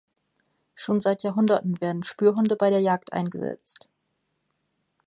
Schon seit Jahrhunderten werden Spürhunde bei der Jagd eingesetzt.